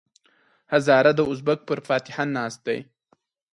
هزاره د ازبک پر فاتحه ناست دی.